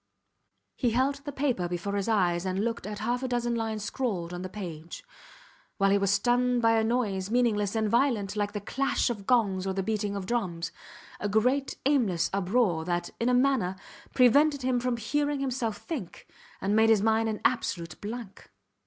He held the paper before his eyes and looked at half a dozen lines scrawled on the page, while he was stunned by a noise meaningless and violent, like the clash of gongs or the beating of drums; a great aimless uproar that, in a manner, prevented him from hearing himself think and made his mind an absolute blank.